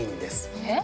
えっ？